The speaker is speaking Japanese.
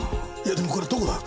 でもこれどこだ？